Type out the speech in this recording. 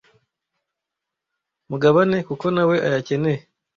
mugabane kuko nawe ayakeneye